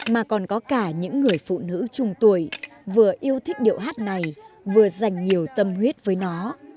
mà còn có cả những người phụ nữ trung tuổi vừa yêu thích điệu hát này vừa dành nhiều tâm huyết với nó